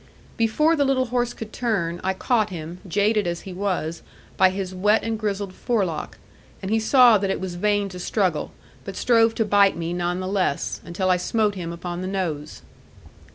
Before the little horse could turn, I caught him, jaded as he was, by his wet and grizzled forelock, and he saw that it was vain to struggle, but strove to bite me none the less, until I smote him upon the nose.